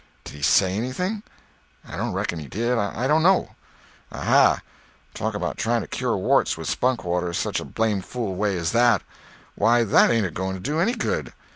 "Did he say anything?" "I don't reckon he did. I don't know." "Aha! Talk about trying to cure warts with spunk water such a blame fool way as that! Why, that ain't a going to do any good.